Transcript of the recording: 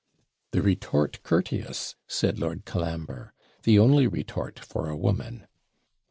'The retort courteous!' said Lord Colambre 'the only retort for a woman.'